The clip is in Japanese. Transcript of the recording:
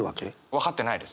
分かってないです。